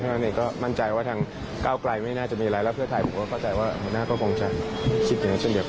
นั้นเองก็มั่นใจว่าทางก้าวไกลไม่น่าจะมีอะไรแล้วเพื่อไทยผมก็เข้าใจว่าหัวหน้าก็คงจะคิดอย่างนั้นเช่นเดียวกัน